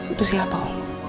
itu siapa om